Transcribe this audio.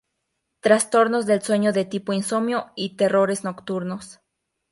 Trastornos del sueño de tipo insomnio y terrores nocturnos.